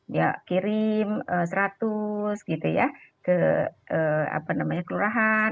dia kirim seratus gitu ya ke kelurahan